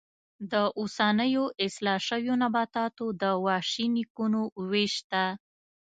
د اوسنیو اصلاح شویو نباتاتو د وحشي نیکونو وېش شته.